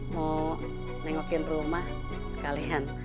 mau nengokin rumah sekalian